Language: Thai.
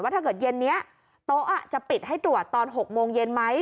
ถ้าเกิดเย็นนี้โต๊ะจะปิดให้ตรวจตอน๖โมงเย็นไหม